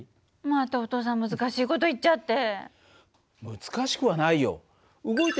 またお父さん難しい事言っちゃって。